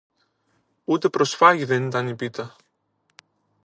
Ούτε προσφάγι δεν ήταν η πίτα!